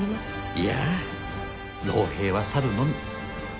いやあ老兵は去るのみ。